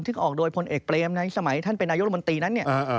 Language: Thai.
ที่ก็ออกโดยพลเอกเปรียมในสมัยท่านเป็นนายโรมนตีนั้น